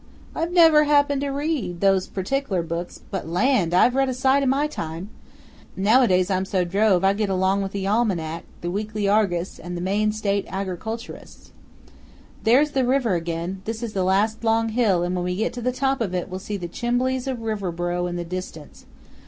"I've never happened to read those partic'lar books; but land! I've read a sight in my time! Nowadays I'm so drove I get along with the Almanac, the Weekly Argus, and the Maine State Agriculturist. There's the river again; this is the last long hill, and when we get to the top of it we'll see the chimbleys of Riverboro in the distance.